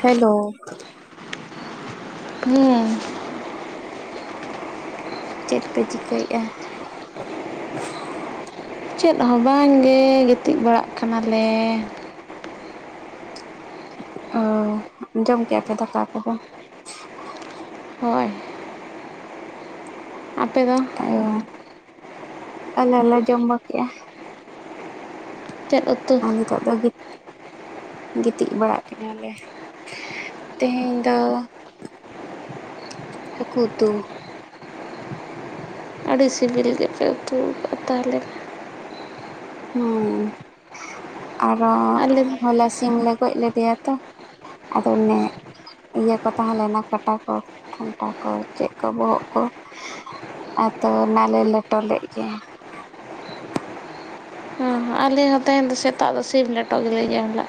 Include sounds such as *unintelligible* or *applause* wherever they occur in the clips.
Hello ᱦᱩᱸ ᱪᱮᱫ ᱯᱮ ᱪᱤᱠᱟᱹᱭᱮᱼᱟ ᱪᱮᱫ ᱦᱚᱸ ᱵᱟᱝᱜᱮ ᱜᱤᱛᱤᱡ ᱵᱟᱲᱟᱜ ᱠᱟᱱᱟ ᱞᱮ ᱚ ᱡᱚᱢ ᱠᱮᱟ ᱯᱮ ᱫᱟᱠᱟ ᱠᱚᱫᱚ ᱦᱳᱭ ᱟᱯᱮ ᱫᱚ ᱚ ᱟᱞᱮ ᱞᱮ ᱡᱚᱢ ᱵᱟ ᱠᱮᱜᱼᱟ ᱪᱮᱫ ᱩᱛ ᱟᱨ ᱱᱤᱛᱚᱜ ᱫᱚ ᱜᱤ ᱜᱤᱛᱤᱡ ᱵᱟᱲᱟᱜ ᱠᱟᱱᱟ ᱞᱮ ᱛᱮᱦᱤᱧ ᱫᱚ ᱦᱟᱹᱠᱩ ᱩᱛᱩ ᱟᱹᱰᱤ ᱥᱤᱵᱤᱞ ᱜᱮᱯᱮ ᱩᱛᱩ ᱟᱠᱟᱜᱼᱟ ᱛᱟᱦᱞᱮ ᱦᱩᱸ ᱟᱨᱚ ᱟᱞᱮ ᱦᱚᱞᱟ ᱥᱤᱢ ᱞᱮ ᱜᱚᱡ ᱞᱮᱫᱮᱭᱟ ᱟᱫᱚ ᱩᱱᱮ ᱤᱭᱟᱹ ᱠᱚ ᱛᱟᱦᱮᱸ ᱞᱮᱱ ᱠᱟᱴᱟ ᱠᱚ ᱴᱷᱱᱴᱟ ᱠᱚ ᱪᱮᱫ ᱠᱚ ᱵᱚᱦᱚᱜ ᱠᱚ ᱟᱫᱚ ᱚᱱᱟ ᱞᱮ ᱞᱮᱴᱚ ᱞᱮᱫ ᱜᱮ ᱦᱚᱸ ᱟᱞᱮ ᱦᱚᱸ ᱛᱮᱦᱮᱧ ᱫᱚ ᱥᱮᱛᱟᱜ ᱫᱚ ᱥᱤᱢ ᱞᱮᱴᱚ ᱜᱮᱞᱮ ᱮᱢᱚᱢ ᱞᱟ-ᱟ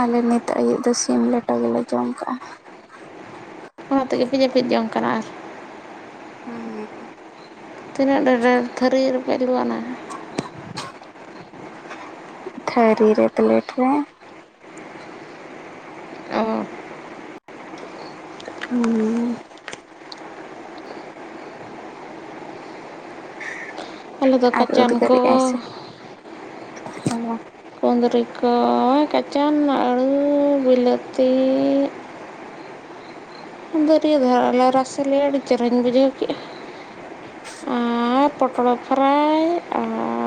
ᱟᱞᱮ ᱱᱤᱛᱚᱜ ᱟᱹᱭᱩᱵ ᱫᱚ ᱥᱤᱢ ᱞᱮᱴᱚ ᱜᱮᱞᱮ ᱡᱚᱢ ᱠᱟᱜᱼᱟ ᱚᱱᱟ ᱛᱮᱜᱮ ᱯᱮ ᱡᱟᱹᱯᱤᱫ ᱡᱚᱝ ᱠᱟᱱᱟ ᱦᱩᱸ ᱛᱤᱱᱟᱹᱜ ᱰᱷᱟᱹᱨ ᱰᱷᱚᱹᱨ ᱛᱷᱟᱹᱨᱤ ᱨᱮᱯᱮ ᱞᱩ ᱟᱱᱟ ᱛᱷᱟᱹᱨᱤ ᱨᱮ ᱯᱞᱮᱴ ᱨᱮ ᱚ ᱦᱩᱸ ᱟᱞᱮ ᱫᱚ ᱟᱨ ᱠᱟᱪᱟᱱ ᱩᱫᱜᱟᱹᱨᱮ ᱠᱚ ᱟᱭ ᱥᱮ ᱠᱩᱸᱫᱽᱨᱤ ᱠᱚ ᱠᱟᱪᱟᱱ ᱟᱹᱲᱩ ᱵᱤᱞᱟᱹᱛᱤ ᱫᱟᱹᱨᱭᱟᱹ ᱫᱷᱟᱨᱟᱞᱮ ᱨᱟᱥᱮ ᱞᱮ ᱟᱹᱰᱤ ᱪᱮᱦᱨᱟᱧ ᱵᱩᱡᱷᱟᱹᱣ ᱠᱮᱜᱼᱟ ᱟᱨ ᱯᱚᱴᱚᱞ ᱯᱷᱨᱟᱭ ᱟᱨ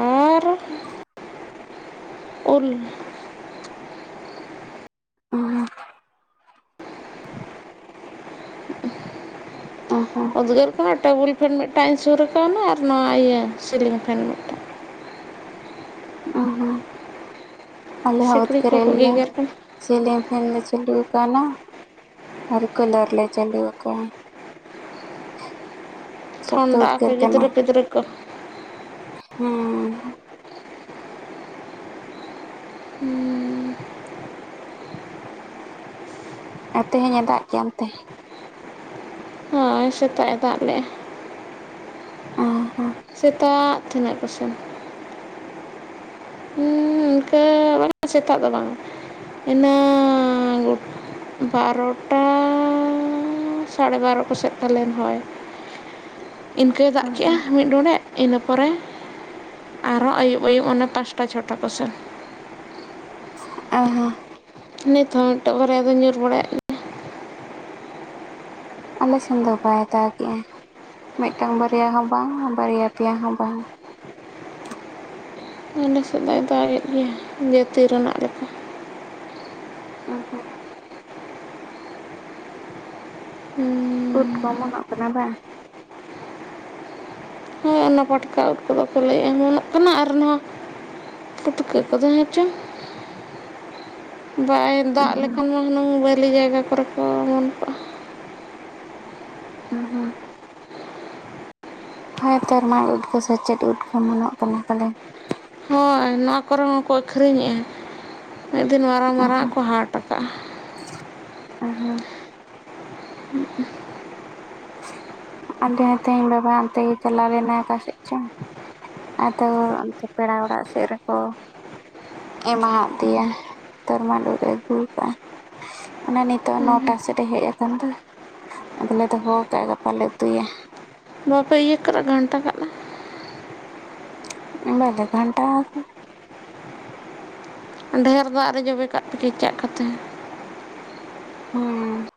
ᱩᱞ ᱩᱫᱽᱜᱟᱹᱨ ᱠᱟᱱᱟ ᱴᱟᱵᱩᱞ ᱯᱷᱮᱱ ᱢᱤᱫᱴᱟᱝ ᱤᱧ ᱥᱩᱨ ᱠᱟᱣᱱᱟ ᱟᱨ ᱱᱚᱣᱟ ᱤᱭᱟᱹ ᱥᱤᱞᱤᱝ ᱯᱷᱮᱱ ᱢᱤᱫᱴᱟᱝ ᱚ ᱟᱞᱮ ᱦᱚᱸ ᱥᱤᱠᱲᱤᱡ ᱩᱫᱽᱜᱟᱹ ᱨᱮᱫ ᱠᱚᱠᱚ ᱞᱮᱭᱟ ᱜᱮᱜᱮᱨ ᱠᱟᱱᱟ ᱥᱤᱞᱤᱝ ᱯᱷᱮᱱ ᱞᱮ ᱪᱟᱹᱞᱩ ᱠᱟᱣᱱᱟ ᱟᱨ ᱠᱩᱞᱟᱨ ᱞᱮ ᱪᱟᱹᱞᱩ ᱥᱚᱠᱛᱚ ᱴᱷᱚᱱᱰᱟ ᱟᱠᱚ ᱩᱫᱽᱜᱟᱹᱨ ᱜᱤᱫᱽᱨᱟᱹ ᱯᱤᱫᱽᱨᱟᱹ ᱠᱚ ᱦᱩᱸᱻ ᱟᱨ ᱛᱮᱦᱮᱧ ᱮ ᱫᱟᱜ ᱠᱮᱫᱼᱟ ᱚᱱᱛᱮ ᱦᱳᱭ ᱥᱮᱛᱟᱜ ᱮ ᱫᱟᱜ ᱞᱮᱜᱼᱟ ᱟ ᱦᱚᱸ ᱥᱮᱛᱟᱜ ᱛᱤᱱᱟᱹᱜ ᱠᱚᱥᱮ ᱦᱩᱸ ᱤᱱᱠᱟᱹ ᱵᱟᱝ ᱥᱮᱛᱟᱜ ᱫᱚ ᱵᱟᱝᱟ ᱤᱱᱟᱝᱻ ᱵᱟᱨᱚᱴᱟᱻ ᱥᱟᱲᱮ ᱵᱟᱨᱚ ᱠᱚ ᱥᱮᱫ ᱯᱟᱞᱮᱱ ᱦᱳᱭ ᱤᱱᱠᱟᱹᱭ ᱫᱟᱜ ᱠᱮᱜᱼᱟ ᱢᱤᱫ ᱰᱚᱸᱰᱮᱠ ᱤᱱᱟᱹ ᱯᱚᱨᱮ ᱟᱨᱦᱚ ᱟᱹᱭᱩᱵ ᱟᱹᱭᱩᱵ ᱚᱱᱮ ᱯᱟᱥ ᱴᱟ ᱪᱚᱴᱟ ᱠᱚᱥᱮᱱ ᱚ ᱦᱚᱸ ᱱᱤᱛᱦᱚᱸ ᱢᱤᱫᱴᱮᱝ ᱵᱟᱨᱭᱟ ᱫᱚ ᱧᱩᱨ ᱵᱟᱲᱟᱭᱮᱫ ᱟᱞᱮ ᱥᱮᱱ ᱫᱚ ᱵᱟᱭ ᱫᱟᱜ ᱮᱫᱼᱟ, ᱢᱤᱫᱴᱟᱝ ᱵᱟᱨᱭᱟ ᱦᱚᱸ ᱵᱟᱝ ᱵᱟᱨᱭᱟ ᱯᱮᱭᱟ ᱦᱚᱸ ᱵᱟᱝ ᱟᱞ ᱥᱮᱫ ᱫᱚᱭ ᱫᱟᱜᱮᱫ ᱜᱮᱭᱟ ᱡᱟᱹᱛᱤ ᱨᱮᱱᱟᱜ ᱞᱮᱠᱟ᱾ ᱚ ᱦᱚᱸ *inaudible* ᱩᱫ ᱠᱚ ᱚᱢᱚᱱᱚᱼᱜ ᱠᱟᱱᱟ ᱵᱟᱝ? ᱦᱳᱭ ᱚᱱᱟ ᱯᱟᱴᱠᱟ ᱩᱫ ᱠᱚᱫᱚ ᱠᱚ ᱞᱟᱹᱭ ᱚᱢᱚᱱᱚᱼᱜ ᱠᱟᱱᱟ ᱟᱨ ᱱᱚᱣᱟ ᱯᱩᱴᱠᱟᱹ ᱠᱚᱫᱚ ᱦᱮᱸ ᱪᱚᱝᱼᱼ *inaudible* ᱵᱟᱭ ᱫᱟᱜ ᱞᱮᱠᱷᱟᱱ ᱢᱟ ᱦᱩᱱᱟᱹᱝ ᱵᱷᱟᱹᱞᱤ ᱡᱟᱭᱜᱟ ᱠᱚᱨᱮ ᱠᱚ ᱚᱢᱚᱱ ᱠᱚᱜᱼᱟ᱾ ᱦᱩᱸ ᱦᱩᱸ ᱦᱳᱭ ᱛᱚ ᱢᱟᱫ ᱩᱫ ᱠᱚ ᱥᱮ ᱪᱮᱫ ᱩᱫ ᱠᱚ ᱢᱚᱱᱚᱜ ᱠᱟᱱᱟ ᱛᱟᱞᱮ ᱦᱳᱭ ᱱᱚᱣᱟ ᱠᱚᱨᱮ ᱦᱚᱸᱠᱚ ᱟᱹᱠᱷᱨᱤᱧᱮᱜᱼᱟ᱾ ᱢᱤᱫ ᱫᱤᱱ ᱢᱟᱨᱟᱝ ᱢᱟᱨᱟᱝ ᱠᱚ ᱦᱟᱴ ᱠᱟᱜᱼᱟ᱾ ᱚ ᱦᱮ ᱟᱞᱮ ᱦᱚᱸ ᱛᱮᱦᱮᱧ ᱵᱟᱵᱟ ᱚᱱᱛᱮ ᱜᱮ ᱪᱟᱞᱟᱣ ᱞᱮᱱᱟ ᱚᱠᱟᱥᱮᱫ ᱪᱚ ᱟᱫᱚ ᱚᱱᱛᱮ ᱯᱮᱲᱟ ᱚᱲᱟᱜ ᱥᱮᱫ ᱨᱮᱠᱚ ᱮᱢᱟᱦᱟᱜ ᱫᱮᱭᱟ ᱛᱚᱨᱢᱟᱰ ᱩᱫ ᱮ ᱟᱹᱜᱩ ᱠᱟᱜᱼᱟ ᱚᱱᱮ ᱱᱤᱛᱚᱜ ᱱᱚᱴᱟ ᱥᱮᱫ ᱮ ᱦᱮᱡ ᱟᱠᱟᱱ ᱫᱚᱭ ᱟᱫᱚᱞᱮ ᱫᱚᱦᱚ ᱠᱟᱜᱼᱟ ᱜᱟᱯᱟᱞ ᱞᱮ ᱩᱛᱩᱭᱟ᱾ ᱵᱟᱯᱮ ᱤᱭᱟᱹ ᱠᱟᱜᱼᱟ, ᱜᱷᱟᱱᱴᱟ ᱠᱟᱜᱼᱟ᱾ ᱵᱟᱞᱮ ᱜᱷᱟᱱᱴᱟ ᱠᱟ ᱼᱟ᱾ ᱰᱷᱮᱨ ᱫᱟᱜ ᱨᱮ ᱡᱚᱵᱮ ᱠᱟᱜ ᱯᱮ ᱠᱮᱪᱟᱜ ᱠᱟᱛᱮ ᱦᱩᱸ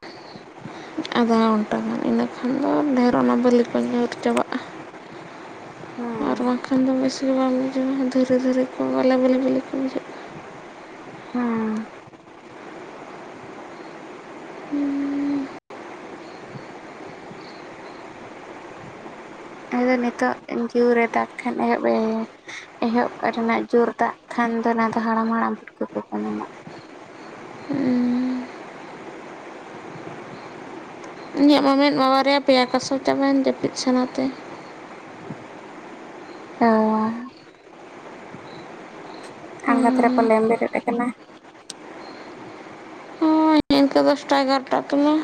ᱟᱫᱷᱟ ᱜᱷᱚᱱᱴᱟ ᱜᱟᱱ ᱤᱱᱟᱹ ᱠᱷᱟᱱ ᱫᱚ ᱰᱷᱮᱨ ᱚᱱᱟ ᱵᱟᱹᱞᱤ ᱠᱚ ᱧᱩᱨ ᱪᱟᱵᱟᱜᱼᱟ ᱟᱨ ᱦᱩᱸ ᱵᱟᱝᱠᱷᱟᱱ ᱫᱚ ᱵᱮᱥᱜᱮ ᱵᱟᱝ ᱵᱩᱡᱷᱟᱣᱼᱟ ᱫᱷᱤᱨᱮ ᱫᱷᱤᱨᱤ ᱠᱚ ᱵᱟᱞᱮ ᱵᱮᱞᱮ ᱵᱟᱹᱞᱮ ᱠᱚ ᱵᱩᱡᱷᱟᱹᱜᱼᱟ᱾ ᱦᱩᱸ᱾ *unintelligible* ᱱᱤᱛᱚᱜ ᱮᱸᱻ ᱡᱩᱨ ᱮᱸ ᱫᱟᱜ ᱠᱷᱟᱱ ᱮᱦᱚᱵ ᱮ ᱮᱦᱚᱵ ᱨᱮᱱᱟᱜ ᱡᱳᱨ ᱫᱟᱜ ᱠᱷᱟᱱ ᱫᱚ ᱚᱱᱟ ᱫᱚ ᱦᱟᱲᱟᱢ ᱼ ᱦᱟᱲᱟᱢ ᱵᱷᱩᱴᱩᱵ ᱠᱟᱱᱟ ᱱᱚᱜᱼᱟ᱾ ᱦᱩᱸ *inaudible* ᱤᱧᱟᱹᱜ ᱢᱟ ᱢᱮᱫ ᱢᱟ ᱵᱟᱨᱭᱟ ᱯᱮᱭᱟ ᱠᱟᱥᱚ ᱪᱟᱵᱟᱭᱮᱱ ᱡᱟᱹᱯᱤᱫ ᱥᱟᱱᱟᱛᱮ ᱦᱚᱸ ᱟᱸᱜᱟᱛ ᱨᱮ ᱯᱟᱞᱮ ᱮᱢ ᱵᱮᱨᱮᱫ ᱟᱠᱟᱱᱟ᱾ *unintelligible* ᱫᱚᱥᱴᱟ ᱮᱜᱟᱨᱚᱴᱟ ᱛᱮ ᱢᱟ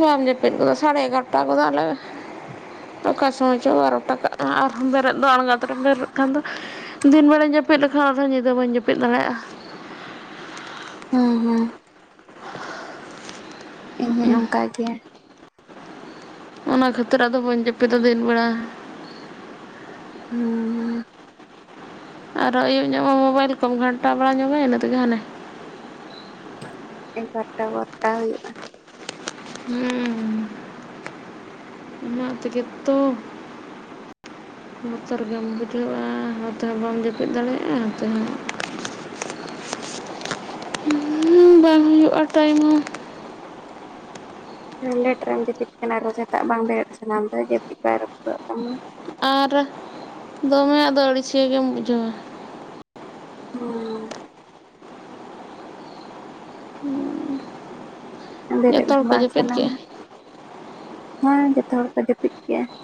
ᱵᱟᱢ ᱡᱟᱹᱛᱤᱫ ᱜᱚᱫᱟ ᱡᱟᱹᱯᱤᱫ ᱠᱚ ᱫᱚ ᱥᱟᱲᱮ ᱮᱜᱟᱨᱚᱴᱟ ᱜᱚᱫᱟᱞᱮ ᱚᱠᱟ ᱥᱚᱢᱚᱭ ᱪᱚᱝ ᱵᱟᱨᱳᱴᱟ ᱠᱟᱜᱼᱟ ᱟᱨᱦᱚᱸ ᱵᱮᱨᱮᱫ ᱫᱚ ᱟᱬᱜᱟᱛᱚᱨᱟᱢ ᱵᱮᱨᱮᱫ ᱠᱷᱟᱱ ᱫᱚ ᱫᱤᱱ ᱵᱮᱲᱟ ᱡᱟᱹᱯᱤᱫ ᱞᱮᱠᱷᱟᱱ ᱟᱨᱦᱚᱸ ᱧᱤᱫᱟᱹ ᱵᱟᱹᱧ ᱡᱟᱹᱯᱤᱫ ᱫᱟᱲᱮᱭᱟᱜᱼᱟ᱾ ᱦᱩᱸ - ᱦᱩᱸ ᱤᱧ ᱦᱚᱸᱧ ᱚᱱᱠᱟ ᱜᱮᱭᱟ ᱚᱱᱟ ᱠᱷᱟᱹᱛᱤᱨ ᱟᱫᱚ ᱵᱟᱹᱧ ᱡᱟᱹᱯᱤᱫᱟ, ᱫᱤᱱ ᱵᱮᱲᱟ ᱦᱩᱸ ᱟᱨᱚ ᱟᱹᱭᱩᱵ ᱧᱚᱜ ᱢᱟ ᱢᱳᱵᱟᱭᱤᱞ ᱠᱚᱢ ᱜᱷᱟᱱᱴᱟ ᱵᱟᱲᱟᱭ ᱧᱚᱜ ᱢᱮ ᱤᱱᱟᱹ ᱛᱮᱜᱮ ᱦᱟᱱᱮ ᱮᱜᱟᱨᱴᱟ ᱵᱟᱨᱴᱟ ᱦᱩᱭᱩᱜᱼᱟ ᱾ ᱦᱮᱸ ᱚᱱᱟ ᱛᱮᱜᱮ ᱛᱚ ᱵᱚᱛᱚᱨ ᱜᱮᱢ ᱵᱩᱡᱷᱟᱹᱣᱼᱟ, ᱚᱱᱟᱛᱮ ᱦᱚᱸ ᱵᱟᱢ ᱡᱟᱹᱯᱤᱫ ᱫᱟᱲᱮᱭᱟᱜᱼᱟ ᱚᱱᱟᱛᱮᱦᱚᱸ ᱦᱩᱸ ᱵᱟᱝ ᱦᱩᱭᱩᱜᱼᱟ ᱴᱟᱭᱤᱢ ᱦᱚᱸ ᱾ ᱞᱮᱴ ᱨᱮᱢ ᱡᱟᱹᱯᱤᱫ ᱠᱟᱱᱟ ᱟᱨᱚ ᱥᱮᱛᱟᱜ ᱵᱟᱝ ᱵᱮᱨᱮᱫ ᱥᱟᱱᱟᱢ ᱫᱚ ᱡᱟᱹᱯᱤᱫ ᱵᱟᱭ ᱨᱟᱹᱯᱩᱫᱚᱜ ᱛᱟᱢᱟ ᱾ ᱟᱨ ᱫᱚᱢᱮ ᱟᱫᱚ ᱟᱹᱲᱤᱥᱤᱭᱟᱹ ᱜᱮᱢ ᱵᱩᱡᱷᱟᱹᱣᱼᱟ ᱾ ᱦᱚᱸ *inaudible* ᱵᱮᱨᱮᱫᱽ ᱦᱚᱲ ᱦᱚᱸ ᱠᱚ ᱵᱟᱝ ᱡᱟᱹᱯᱤᱫ ᱠᱮᱜᱼᱟ ᱥᱟᱱᱟᱢᱟ ᱢᱟ, ᱦᱚᱭ ᱡᱚᱛᱚ ᱦᱚᱲ ᱠᱚ ᱡᱟᱹᱯᱤᱫ ᱠᱮᱜᱼᱟ ᱾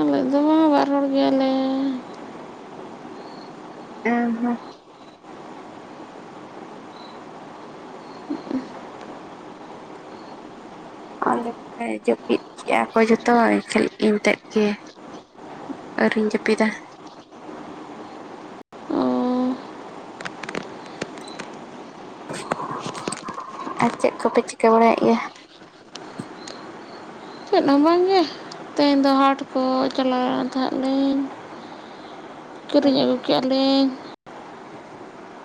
ᱟᱞᱮ ᱫᱚ ᱵᱟᱨ ᱦᱚᱲ ᱜᱮᱭᱟᱞᱮ ᱾ ᱮ ᱦᱩᱸ ᱾ *inaudible* ᱟᱞᱮ ᱠᱚᱞᱮ ᱡᱟᱹᱯᱤᱫ ᱠᱮᱜᱼᱟ ᱠᱚ ᱡᱚᱛᱚ ᱦᱚᱲ ᱠᱷᱮᱞ ᱤᱧᱛᱮᱫ ᱜᱮ ᱟᱹᱣᱨᱤᱧ ᱡᱟᱹᱯᱤᱫᱟ ᱾ ᱚ *inaudible* ᱟᱨ ᱪᱮᱫ ᱠᱚᱯᱮ ᱪᱤᱠᱟᱹ ᱵᱟᱲᱟᱭᱮᱜ ᱜᱮᱭᱟ? ᱪᱮᱫ ᱦᱚᱸ ᱵᱟᱝᱜᱮ ᱛᱮᱦᱮᱧ ᱫᱚ ᱦᱟᱴ ᱠᱚ ᱪᱟᱞᱟᱣ ᱞᱮᱱ ᱛᱟᱦᱮᱸ ᱞᱤᱧ, ᱠᱤᱨᱤᱧ ᱟᱹᱜᱩ ᱠᱮᱜᱼᱟ ᱞᱤᱧ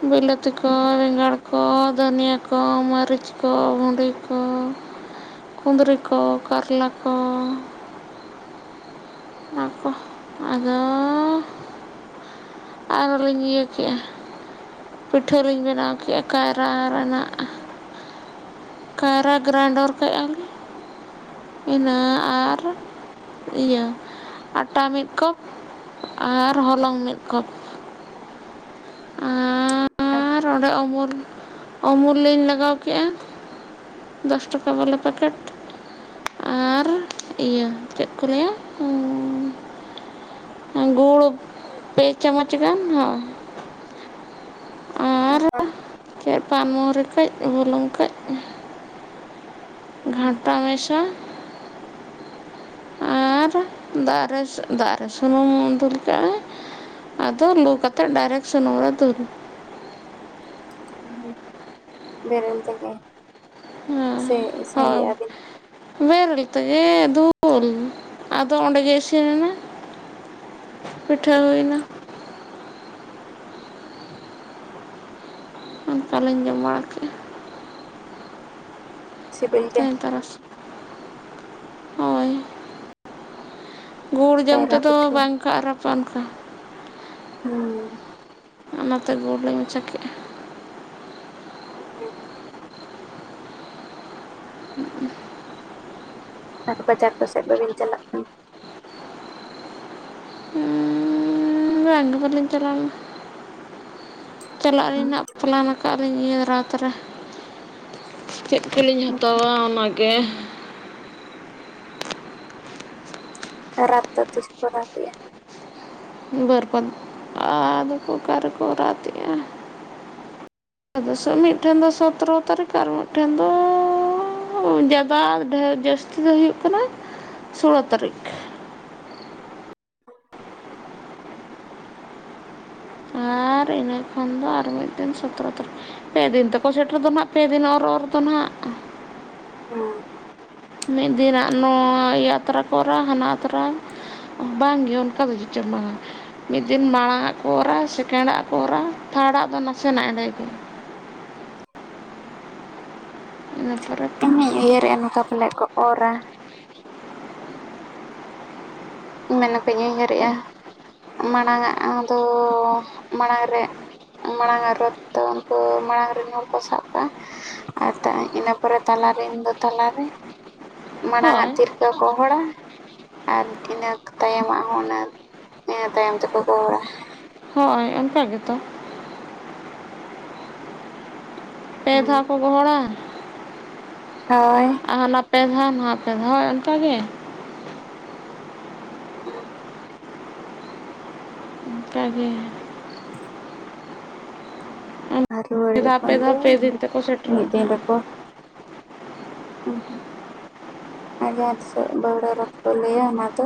ᱵᱤᱞᱟᱹᱛᱤ ᱠᱚ, ᱵᱮᱝᱜᱟᱲ ᱠᱚ ᱠᱚ ᱫᱟᱹᱱᱤᱭᱟᱹ ᱠᱚ, ᱢᱟᱹᱨᱤᱪ ᱠᱚ, ᱵᱷᱩᱸᱰᱤ ᱠᱚ ᱠᱩᱸᱫᱽᱨᱤ ᱠᱚ, ᱠᱟᱨᱞᱟ ᱠᱚ ᱚᱱᱟ ᱠᱚ ᱟᱫᱚ ᱟᱨᱚ ᱞᱤᱧ ᱤᱭᱟᱹ ᱠᱮᱜᱼᱟ ᱯᱤᱴᱷᱟᱹ ᱞᱤᱧ ᱵᱮᱱᱟᱣ ᱠᱮᱜᱼᱟ ᱠᱟᱭᱨᱟ ᱨᱮᱱᱟᱜ ᱾ ᱠᱟᱭᱨᱟ ᱜᱨᱟᱱᱰᱚᱨ ᱠᱮᱜᱼᱟ ᱞᱤᱧ ᱤᱱᱟᱹ ᱟᱨ ᱤᱭᱟᱹ ᱟᱴᱟ ᱢᱤᱫ ᱠᱚᱯ ᱟᱨ ᱦᱚᱞᱚᱝ ᱢᱤᱫ ᱠᱚᱯ ᱟᱨ ᱚᱸᱰᱮ ᱚᱢᱩᱞ ᱚᱢᱩᱞ ᱞᱤᱧ ᱞᱟᱜᱟᱣ ᱠᱮᱜᱼᱟ ᱫᱚᱥ ᱴᱟᱠᱟ ᱵᱟᱞᱟ ᱯᱮᱠᱮᱴ ᱟᱨ ᱤᱭᱟᱹ ᱪᱮᱫ ᱠᱚ ᱞᱟᱹᱭᱟ ᱩᱩᱸ ᱜᱩᱲ ᱯᱮ ᱪᱟᱢᱚᱪ ᱜᱟᱱ ᱦᱚ ᱟᱨ ᱠᱟᱹᱡ ᱯᱟᱱᱢᱚᱨᱤ ᱠᱟᱹᱡ ᱵᱩᱞᱩᱝ ᱠᱟᱹᱡ ᱜᱷᱟᱱᱴᱟ ᱢᱮᱥᱟ ᱟᱨ ᱫᱟᱜ ᱨᱮ ᱫᱟᱜ ᱨᱮ ᱥᱩᱱᱩᱢ ᱫᱩᱞ ᱠᱟᱜᱼᱟᱭ ᱟᱫᱚ ᱞᱩ ᱠᱟᱛᱮᱫ ᱰᱟᱭᱨᱮᱠ ᱥᱩᱱᱩᱢ ᱨᱮ ᱫᱩᱞ ᱵᱮᱨᱮᱞ ᱛᱮᱜᱮ ᱥᱮ ᱦᱮᱸ ᱤᱥᱤᱱ ᱦᱳᱭ ᱞᱮᱜᱼᱟ ᱵᱤᱱ? ᱵᱮᱨᱮᱞ ᱛᱮᱜᱮ ᱫᱩᱞ, ᱟᱫᱚ ᱚᱸᱰᱮ ᱜᱮ ᱤᱥᱤᱱ ᱮᱱᱟ ᱾ ᱯᱤᱴᱷᱟᱹ ᱦᱩᱭᱱᱟ ᱾ *inaudible* ᱚᱱᱟᱞᱤᱧ ᱡᱚᱢ ᱵᱟᱲᱟ ᱠᱮᱜᱼᱟ ᱾ ᱥᱤᱵᱤᱞ ᱜᱮ ᱾ ᱛᱮᱦᱮᱧ ᱛᱟᱨᱟᱥᱤᱧ ᱦᱳᱭ ᱜᱩᱲ ᱡᱚᱢ ᱠᱟᱭᱨᱟ ᱛᱮᱫᱚ ᱯᱤᱴᱷᱟᱹ ᱵᱟᱝ ᱠᱷᱟᱨᱟᱯᱟ ᱚᱱᱠᱟ ᱾ ᱦᱩᱸ ᱾ ᱚᱱᱟᱛᱮ ᱜᱩᱲᱞᱟᱹᱧ ᱢᱮᱥᱟ ᱠᱮᱜᱼᱟ ᱾ *inaudible* ᱟᱨ ᱵᱟᱡᱟᱨ ᱠᱚᱥᱮᱫ ᱵᱟᱹᱵᱤᱱ ᱪᱟᱞᱟᱜ ᱠᱟᱱᱟ? ᱵᱟᱝ ᱜᱮ ᱵᱟᱞᱤᱧ ᱪᱟᱞᱟᱣ ᱞᱮᱱᱟ *inaudible* ᱪᱟᱞᱟᱜ ᱟᱹᱞᱤᱧ ᱱᱟᱜ ᱯᱚᱞᱟᱱ ᱠᱟᱜᱼᱟ ᱟᱹᱞᱤᱧ ᱱᱤᱭᱟᱹ ᱨᱟᱛᱷ ᱨᱮ *inaudible* ᱪᱮᱫ ᱠᱚᱞᱤᱧ ᱦᱟᱛᱟᱣᱟ ᱚᱱᱟᱜᱮ ᱾ ᱨᱟᱛᱷ ᱫᱚ ᱛᱤᱥ ᱠᱚ ᱨᱟᱛᱷ ᱛᱮᱜᱼᱟ? ᱵᱟᱹᱨᱯᱟ ᱟᱫᱚᱠᱚ ᱚᱠᱟ ᱨᱮᱠᱚ ᱨᱟᱛᱷ ᱮᱜᱼᱟ᱾ ᱟᱫᱚ ᱢᱤᱫᱴᱷᱮᱱ ᱫᱚ ᱥᱚᱛᱨᱚ ᱛᱟᱹᱨᱤᱠᱷ ᱟᱨ ᱢᱤᱫᱴᱷᱮᱱ ᱫᱚ ᱡᱟᱫᱟ ᱰᱷᱮᱨ ᱡᱟᱹᱥᱛᱤ ᱫᱚ ᱦᱩᱭᱩᱜ ᱠᱟᱱᱟ ᱥᱩᱞᱳ ᱛᱟᱹᱨᱤᱠᱷ, *inaudible* ᱟᱨ ᱤᱱᱟᱹ ᱠᱷᱟᱱ ᱫᱚ ᱟᱨ ᱢᱤᱫ ᱫᱤᱱ ᱥᱚᱛᱨᱚ ᱛᱟᱹᱨᱤᱠᱷ ᱾ ᱯᱮ ᱫᱤᱱ ᱛᱮᱠᱚ ᱥᱮᱴᱮᱨ ᱫᱚ ᱱᱟᱦᱟᱸᱜ ᱯᱮ ᱫᱤᱱ ᱚᱨ ᱚᱨ ᱫᱚ ᱱᱟᱦᱟᱸᱜ ᱾ ᱦᱮᱸ ᱢᱤᱫ ᱫᱤᱱᱟᱜ ᱱᱚᱣᱟ ᱟᱛᱨᱟ ᱠᱚ ᱚᱨᱟ ᱦᱟᱱᱟ ᱟᱛᱨᱟ, ᱵᱟᱝᱜᱮ ᱚᱱᱠᱟ ᱫᱚ ᱦᱮᱸ ᱪᱚᱸᱜ ᱵᱟᱝᱟ ᱢᱤᱫ ᱫᱤᱱ ᱢᱟᱲᱟᱝ ᱟᱜ ᱠᱚ ᱚᱨᱟ ᱥᱮᱠᱮᱱᱰ ᱟᱜ ᱠᱚ ᱚᱨᱟ ᱛᱷᱟᱲᱟᱜ ᱫᱚ ᱱᱟᱥᱮᱱᱟᱜ ᱮᱸᱰᱮ ᱜᱮ᱾ ᱤᱱᱟᱹ ᱯᱚᱨᱮ ᱤᱧ ᱢᱟᱹᱧ ᱩᱭᱦᱟᱹᱨᱮᱼᱟ ᱱᱚᱝᱠᱟ ᱯᱟᱞᱮᱫ ᱠᱚ ᱚᱨᱟ᱾ ᱢᱮᱱᱠᱚᱧ ᱩᱭᱦᱟᱹᱨᱮᱜᱼᱟ, ᱢᱟᱲᱟᱝ-ᱟ ᱫᱚ ᱢᱟᱲᱟᱝ ᱨᱮ, ᱢᱟᱲᱟᱝ ᱟᱜ ᱨᱚᱛ ᱫᱚ ᱩᱱᱠᱩ ᱢᱟᱲᱟᱝ ᱨᱮᱱ ᱦᱚᱲ ᱠᱚ ᱥᱟᱵ ᱠᱚᱣᱟ ᱾ ᱟᱨ ᱤᱱᱟᱹ ᱯᱚᱨᱮ ᱛᱟᱞᱟᱨᱮᱱ ᱫᱚ ᱛᱟᱞᱟᱨᱮ ᱢᱟᱲᱟᱝ ᱟᱜ ᱦᱳᱭ ᱛᱤᱨᱮ ᱠᱚ ᱜᱚᱦᱚᱲᱟ, ᱟᱨ ᱤᱱᱟᱹ ᱛᱟᱭᱚᱢᱟᱜ ᱦᱚᱸ ᱩᱱᱟ ᱱᱤᱭᱟᱹ ᱛᱟᱭᱚᱢ ᱛᱮᱠᱚ ᱜᱚᱦᱚᱲᱟ ᱾ ᱦᱮ ᱚᱱᱠᱟᱟᱜ ᱜᱮᱛᱚ, ᱯᱮ ᱫᱷᱟᱣ ᱠᱚ ᱜᱚᱦᱚᱲᱟ? ᱦᱳᱭ ᱟᱨ ᱦᱟᱱᱟ ᱯᱮ ᱫᱷᱟᱣ ᱱᱚᱣᱟ ᱯᱮ ᱫᱷᱟᱣ ᱚᱱᱠᱟᱜᱮ, *unintelligible* ᱮᱴᱟᱫ ᱜᱮ, ᱟᱨ ᱨᱩᱣᱟᱹᱲ ᱯᱮ ᱫᱷᱟᱣ ᱯᱮ ᱡᱚᱠᱷᱚᱱ ᱫᱷᱟᱣ ᱫᱚ ᱯᱮ ᱫᱤᱱ ᱛᱮᱠᱚ ᱥᱮᱴᱮᱨ ᱨᱚᱜ ᱢᱤᱫ ᱫᱤᱱ ᱦᱟᱸᱜ, ᱨᱮᱠᱚ *unintelligible* ᱟᱨ ᱡᱟᱦᱟᱸ ᱛᱤᱥᱚᱜ ᱫᱟᱹᱶᱲᱟᱹ ᱨᱮᱠᱳ ᱞᱟᱹᱭᱟ ᱚᱱᱟ ᱫᱚ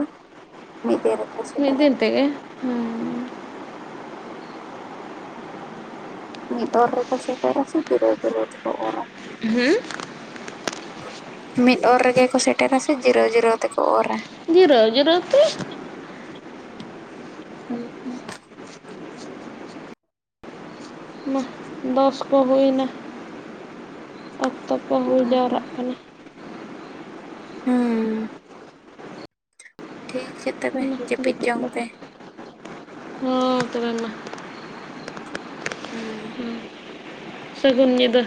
ᱢᱤᱫ ᱢᱮᱜ ᱨᱮ, ᱢᱤᱫ ᱫᱤᱱ ᱛᱮᱜᱮ, ᱦᱩᱸ ᱢᱤᱫ ᱚᱨ ᱨᱮᱠᱚ ᱥᱮᱴᱮᱨᱟ ᱥᱮ ᱡᱤᱛᱟᱹᱣ ᱡᱤᱨᱟᱹᱣ ᱛᱮᱠᱚ ᱚᱨᱟ? ᱦᱩᱸ ᱢᱤᱫ ᱚᱨ ᱨᱮᱜᱮ ᱠᱚ ᱥᱮᱴᱮᱨᱟ ᱥᱮ ᱡᱤᱨᱟᱹᱣ ᱡᱤᱨᱟᱹᱣ ᱛᱮᱠᱚ ᱚᱨᱟ? ᱡᱤᱨᱟᱹᱣ ᱡᱤᱨᱟᱹᱣ ᱛᱮ ᱾ *unintelligible* ᱚᱱᱟ ᱫᱚᱥ ᱠᱚ ᱦᱩᱭᱱᱟ, ᱚᱠᱛᱚ ᱠᱚ ᱦᱩᱸ ᱦᱩᱭ ᱦᱩᱸ ᱡᱟᱣᱨᱟᱜ ᱠᱟᱱᱟ ᱾ ᱦᱩᱸᱻ ᱴᱷᱤᱠ ᱜᱮᱭᱟ ᱛᱚᱵᱮ ᱡᱟᱹᱯᱤᱫ ᱡᱚᱝ ᱯᱮ? ᱦᱮ ᱛᱚᱵᱮ ᱢᱮ ᱾ ᱦᱩᱸ ᱥᱟᱹᱜᱩᱱ ᱧᱤᱫᱟᱹ,